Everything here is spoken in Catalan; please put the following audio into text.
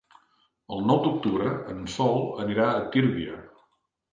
El nou d'octubre en Sol anirà a Tírvia.